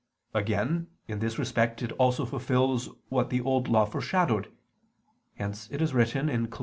"] Again, in this respect, it also fulfils what the Old Law foreshadowed. Hence it is written (Col.